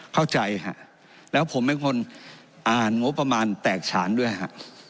เข้าใจฮะแล้วผมเป็นคนอ่านงบประมาณแตกฉานด้วยฮะ